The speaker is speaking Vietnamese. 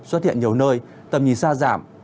xuất hiện nhiều nơi tầm nhìn xa giảm